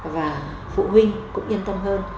và phụ huynh cũng yên tâm hơn